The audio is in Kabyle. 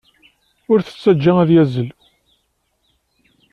Ur t-ttajja ad yazzel.